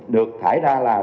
được thải ra là